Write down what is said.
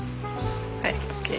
はいＯＫ。